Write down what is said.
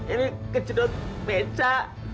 ini kecedot beca